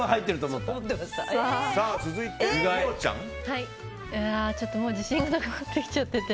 うわ、ちょっと自信がなくなってきちゃってて。